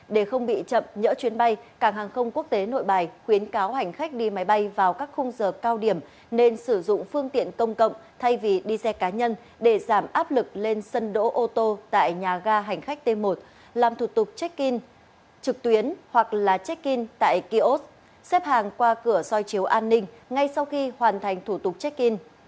để không bị chậm nhỡ chuyến bay cảng hàng không quốc tế nội bài khuyến cáo hành khách đi máy bay vào các khung giờ cao điểm nên sử dụng phương tiện công cộng thay vì đi xe cá nhân để giảm áp lực lên sân đỗ ô tô tại nhà ga hành khách t một làm thủ tục check in trực tuyến hoặc là check in tại kiosk xếp hàng qua cửa soi chiếu an ninh ngay sau khi hoàn thành thủ tục check in